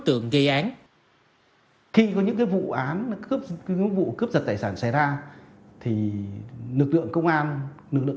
tượng gây án khi có những vụ án những vụ cướp vật tài sản xảy ra thì lực lượng công an lực lượng